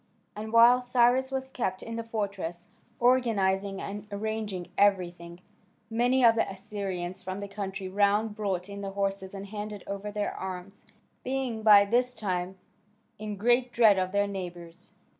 And while Cyrus was kept in the fortress, organising and arranging everything, many of the Assyrians from the country round brought in their horses and handed over their arms, being by this time in great dread of their neighbours.